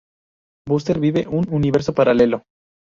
Buster vive un universo paralelo.